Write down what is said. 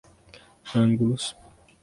ângulos